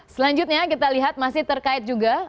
selanjutnya kita lihat masih terkait juga